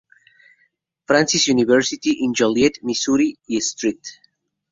Francis University en Jolliet, Missouri, y St.